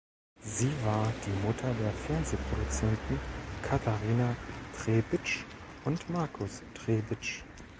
Sie war die Mutter der Fernsehproduzenten Katharina Trebitsch und Markus Trebitsch.